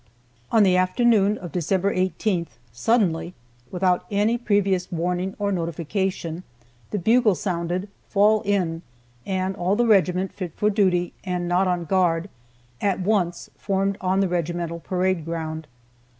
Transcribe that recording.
On the afternoon of December 18th, suddenly, without any previous warning or notification, the bugle sounded "Fall in!" and all the regiment fit for duty and not on guard at once formed on the regimental parade ground.